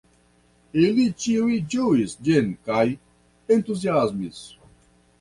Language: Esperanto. Ili ĉiuj ĝuis ĝin kaj entuziasmis.